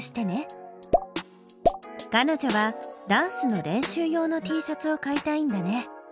かのじょはダンスの練習用のＴシャツを買いたいんだね。